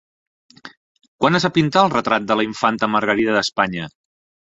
Quan es va pintar el retrat de la infanta Margarida d'Espanya?